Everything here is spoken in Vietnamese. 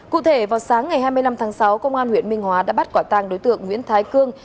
cụ thể vào sáng ngày hai mươi năm tháng sáu công an huyện minh hóa đã bắt quả tàng đối tượng nguyễn thái cương